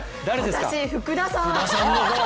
私、福田さん！